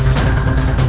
rai jangan berlalu